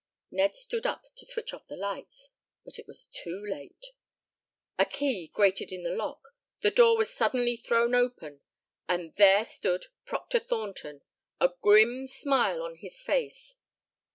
Ned stood up to switch off the lights. But it was too late. A key grated in the lock, the door was suddenly thrown open, and there stood Proctor Thornton, a grim smile on his face.